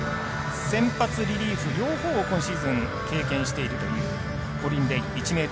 先発、リリーフ両方を今シーズン経験しているというコリン・レイ。